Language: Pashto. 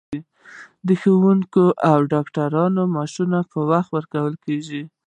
د ښوونکو او ډاکټرانو معاشونه په وخت ورکول کیږي.